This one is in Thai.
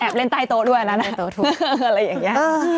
แอบเล่นใต้โต๊ะด้วยอะไรอย่างนี้